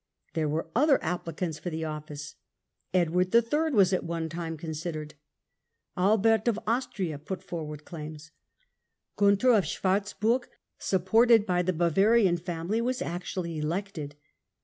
There were other applicants for the office. Edward III. was at one time considered ; Albert of Austria put forward claims ; Gunther of Schwarzburg, supported by the Bavarian family, was actually elected.